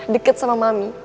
deket sama mami